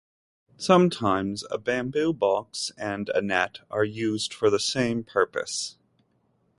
Sometimes a bamboo box and a net are used for the same purpose.